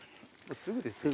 すぐですよ。